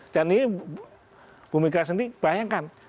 jadi ibu mega sendiri bayangkan